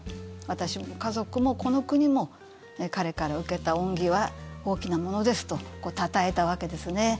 私も家族もこの国も彼から受けた恩義は大きなものですとたたえたわけですね。